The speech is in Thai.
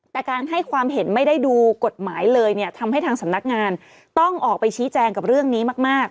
แต่การให้ความเห็นไม่ได้ดูกฎหมายเลยเนี่ยทำให้ทางสำนักงานต้องออกไปชี้แจงกับเรื่องนี้มาก